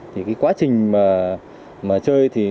thì cái quá trình mà chơi